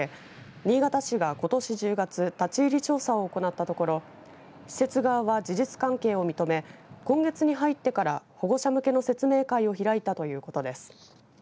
新潟市が、ことし１０月立ち入り調査を行ったところ施設側は事実関係を認め今月に入ってから保護者向けの説明会を開いたということです。